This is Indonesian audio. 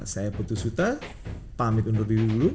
saya putus huta pamit undur diri dulu